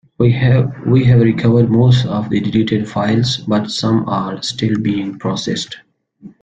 We have recovered most of the deleted files, but some are still being processed.